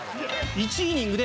１イニングで。